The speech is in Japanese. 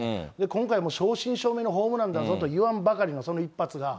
今回、もう正真正銘のホームランだぞといわんばかりのその一発が。